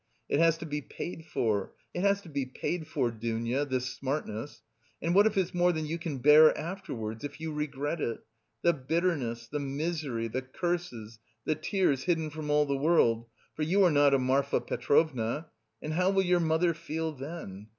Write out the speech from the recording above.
It has to be paid for, it has to be paid for, Dounia, this smartness. And what if it's more than you can bear afterwards, if you regret it? The bitterness, the misery, the curses, the tears hidden from all the world, for you are not a Marfa Petrovna. And how will your mother feel then?